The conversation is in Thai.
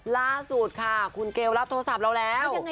ล่าสุดค่ะคุณเกลรับโทรศัพท์เราแล้ว